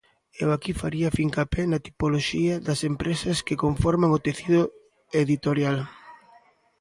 Eu aquí faría fincapé na tipoloxía das empresas que conforman o tecido editorial.